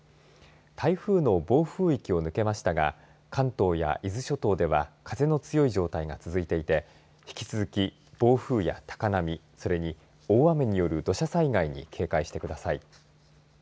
台風の暴風域を抜けましたが関東や伊豆諸島では風の強い状態が続いていて引き続き暴風や高波それに大雨による土砂災害に警戒してください。